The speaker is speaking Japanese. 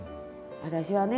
私はね